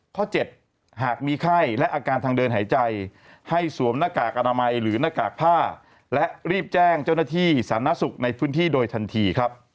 ๗หากมีไข้และอาการทางเดินหายใจให้สวมหน้ากากอนามัยหรือหน้ากากผ้าและรีบแจ้งเจ้าหน้าที่สาธารณสุขในพื้นที่โดยทันทีครับ